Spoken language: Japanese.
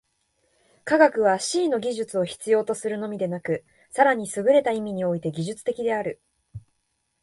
科学は思惟の技術を必要とするのみでなく、更にすぐれた意味において技術的である。